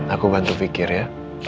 aku bantu pikir ya